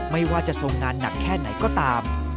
ไม่ว่าจะทรงงานหนักแค่ไหนก็ตาม